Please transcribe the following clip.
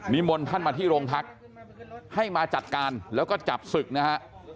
มนต์ท่านมาที่โรงพักให้มาจัดการแล้วก็จับศึกนะฮะ